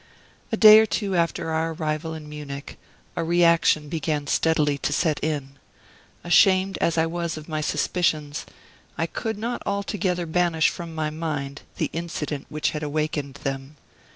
A day or two after our arrival in Munich a reaction began steadily to set in. Ashamed as I was of my suspicions, I could not altogether banish from my mind the incident which had awakened them.